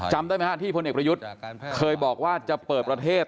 จำได้ไหมฮะที่พลเอกประยุทธ์เคยบอกว่าจะเปิดประเทศ